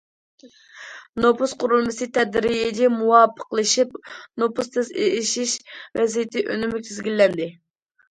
نوپۇس قۇرۇلمىسى تەدرىجىي مۇۋاپىقلىشىپ، نوپۇس تېز ئېشىش ۋەزىيىتى ئۈنۈملۈك تىزگىنلەندى.